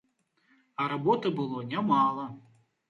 А работы было нямала.